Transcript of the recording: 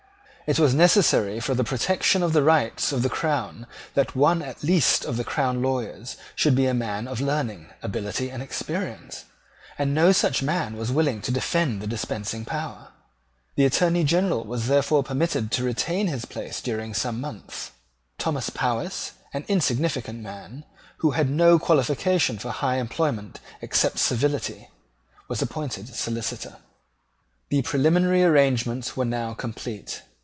It was necessary for the protection of the rights of the crown that one at least of the crown lawyers should be a man of learning, ability, and experience; and no such man was willing to defend the dispensing power. The Attorney General was therefore permitted to retain his place during some months. Thomas Powis, an insignificant man, who had no qualification for high employment except servility, was appointed Solicitor. The preliminary arrangements were now complete.